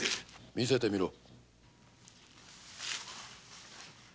見せてみろ！